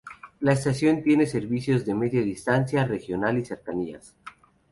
La estación tiene servicios de Media Distancia, Regional y Cercanías.